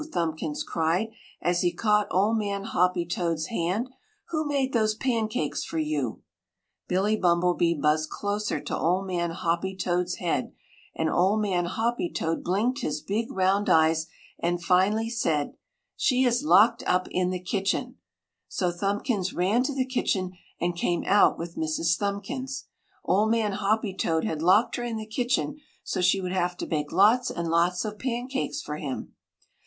Thumbkins cried as he caught Old Man Hoppy toad's hand. "Who made those pancakes for you?" Billy Bumblebee buzzed closer to Old Man Hoppy toad's head and Old Man Hoppy toad blinked his big round eyes and finally said, "She is locked up in the kitchen!" So Thumbkins ran to the kitchen and came out with Mrs. Thumbkins. Old Man Hoppy toad had locked her in the kitchen so she would have to bake lots and lots of pancakes for him.